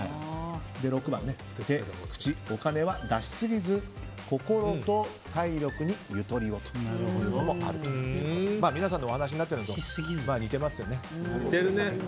６番、手、口、お金は出しすぎず心と体力にゆとりをというのもあるということで皆さんのお話しになってるのと似てますよね。